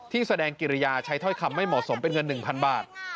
แสดงกิริยาใช้ถ้อยคำไม่เหมาะสมเป็นเงิน๑๐๐บาท